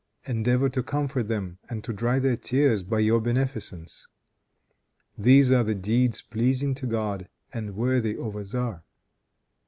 Endeavor to comfort them and to dry their tears by your beneficence. These are the deeds pleasing to God and worthy of a tzar."